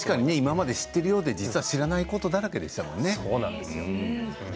知ってるようで実は知らないことだらけでしたからね。